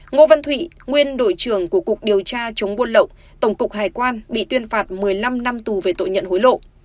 ngô văn thụy nguyên đội trưởng của cục điều tra chống buôn lậu tổng cục hải quan bị tuyên phạt một mươi năm năm tù về tội nhận hối lộ